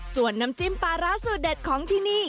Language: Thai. ส่วนน้ำจิ้มปลาร้าสูตรเด็ดของที่นี่